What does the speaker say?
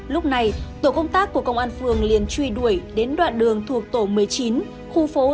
lúc này tổ công tác của công an phường liền truy đuổi đến đoạn đường thuộc tổ một mươi chín khu phố tám a thì đuổi kịp